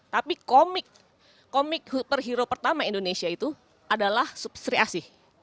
tapi komik komik superhero pertama indonesia itu adalah substriasi